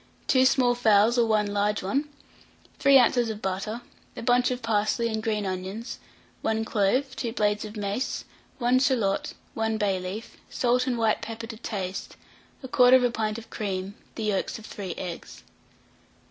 2 small fowls or 1 large one, 3 oz. of butter, a bunch of parsley and green onions, 1 clove, 2 blades of mace, 1 shalot, 1 bay leaf, salt and white pepper to taste, 1/4 pint of cream, the yolks of 3 eggs.